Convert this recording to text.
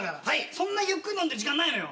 そんなゆっくり飲んでる時間ないのよ。